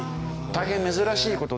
大変珍しい事。